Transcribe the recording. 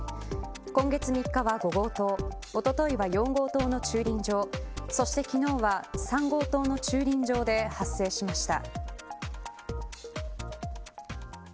今月３日は５号棟おとといは４号棟の駐輪場そして昨日は３号棟の駐輪場で発生しました。